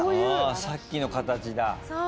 ああさっきの形だ。